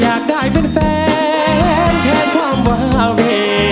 อยากได้เป็นแฟนแทนความวาเว